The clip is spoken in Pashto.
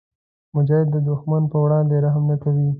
مجاهد د دښمن پر وړاندې رحم نه کوي.